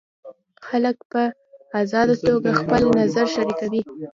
خلک په ازاده توګه خپل نظر شریکوي.